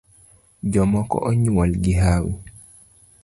Jomoko onyuol gi hawi